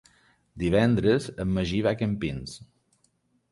Divendres en Magí va a Campins.